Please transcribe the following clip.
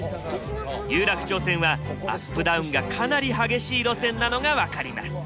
有楽町線はアップダウンがかなり激しい路線なのが分かります。